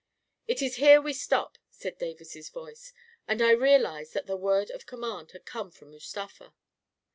" It is here we stop," said Davis's voice, and I real ized that the word of command had come from Mustafa.